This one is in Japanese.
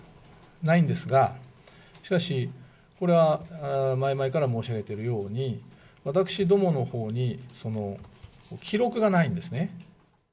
ないんですが、しかし、これは前々から申し上げているように、私どものほうに記録がないんですね。